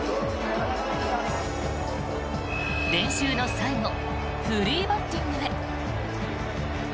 練習の最後フリーバッティングへ。